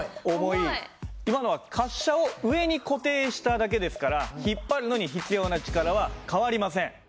今のは滑車を上に固定しただけですから引っ張るのに必要な力は変わりません。